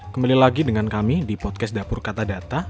kembali lagi dengan kami di podcast dapur katadata